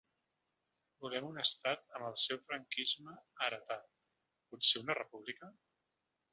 Volem un estat amb el seu franquisme heretat, potser una república?